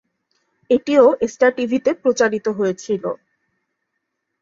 এটি ও স্টার টিভিতে প্রচারিত হয়েছিল।